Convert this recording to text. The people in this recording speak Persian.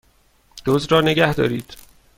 دزد را نگهدارید!